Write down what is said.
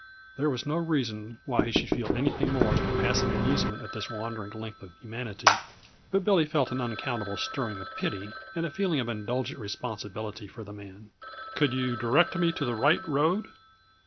There was no reason why he should feel anything more than a passing amusement at this wandering length of humanity, but Billy felt an unaccountable stirring of pity and a feeling of indulgent responsibility for the man. "Could you direct me to the right road?"